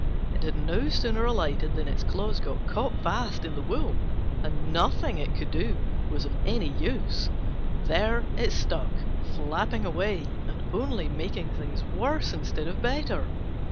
It had no sooner alighted than its claws got caught fast in the wool, and nothing it could do was of any use: there it stuck, flapping away, and only making things worse instead of better.